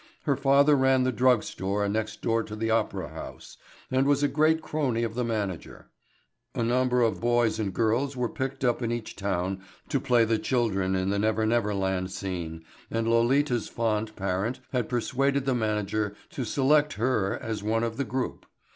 Her father ran the drug store next door to the Opera House and was a great crony of the manager. A number of boys and girls were picked up in each town to play the children in the Never Never Land scene and Lolita's fond parent had persuaded the manager to select her as one of the group.